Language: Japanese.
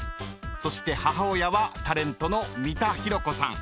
［そして母親はタレントの三田寛子さん］